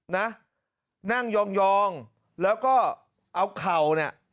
นั่งยองแล้วเอาเข่า